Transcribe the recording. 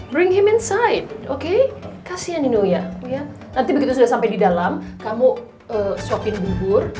bring him inside oke kasihan ini uya uya nanti begitu sudah sampai di dalam kamu suapin bubur